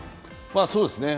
そうですね。